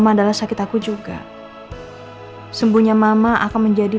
aku langsung ga tau kenapa automerdok